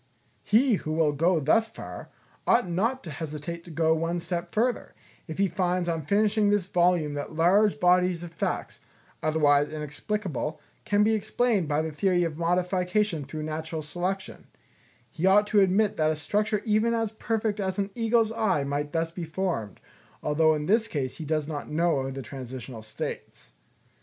He who will go thus far, ought not to hesitate to go one step further, if he finds on finishing this volume that large bodies of facts, otherwise inexplicable, can be explained by the theory of modification through natural selection; he ought to admit that a structure even as perfect as an eagle's eye might thus be formed, although in this case he does not know the transitional states.